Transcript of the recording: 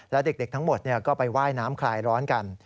และเด็กทั้งหมดก็ไปว่ายน้ำคลายร้อนกัน